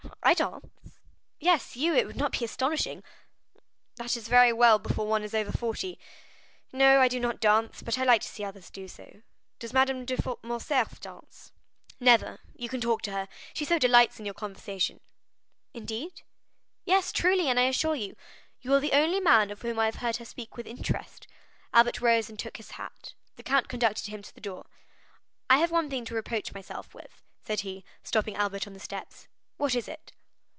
"I dance?" "Yes, you; it would not be astonishing." "That is very well before one is over forty. No, I do not dance, but I like to see others do so. Does Madame de Morcerf dance?" "Never; you can talk to her, she so delights in your conversation." "Indeed?" 30283m "Yes, truly; and I assure you. You are the only man of whom I have heard her speak with interest." Albert rose and took his hat; the count conducted him to the door. "I have one thing to reproach myself with," said he, stopping Albert on the steps. "What is it?"